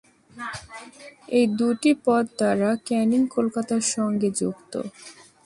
এই দুটি পথ দ্বারা ক্যানিং কলকাতার সঙ্গে যুক্ত।